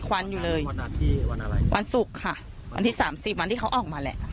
ควันอยู่เลยวันสุกค่ะวันที่สามสี่วันที่เขาออกมาแหละ